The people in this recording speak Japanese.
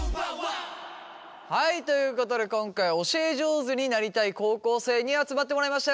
はいということで今回は教え上手になりたい高校生に集まってもらいました。